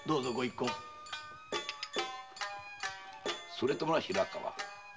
それとな平川。